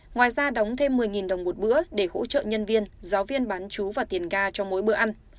ngoài ra đóng thêm một mươi đồng một bữa để hỗ trợ nhân viên giáo viên bán chú và tiền ga cho mỗi bữa ăn